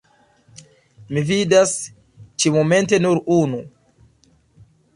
Mi vidas ĉi-momente nur unu.